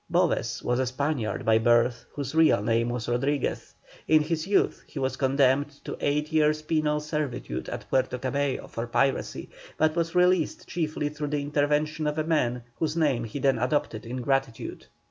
Boves was a Spaniard by birth, whose real name was Rodriguez. In his youth he was condemned to eight years penal servitude at Puerto Cabello for piracy, but was released chiefly through the intervention of a man whose name he then adopted in gratitude.